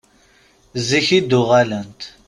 Zik i d-uɣalent.